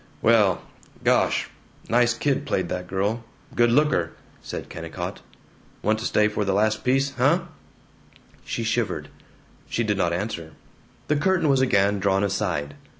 "Well gosh nice kid played that girl good looker," said Kennicott. "Want to stay for the last piece? Heh?" She shivered. She did not answer. The curtain was again drawn aside.